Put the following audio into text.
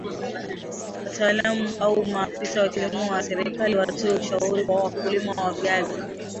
wataalam au maafisa wa kilimo wa serikali watoe ushauri kwa wakulima wa viazi